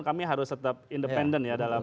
kami harus tetap independen ya dalam